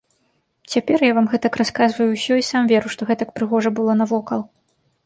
Цяпер я вам гэтак расказваю ўсё і сам веру, што гэтак прыгожа было навокал.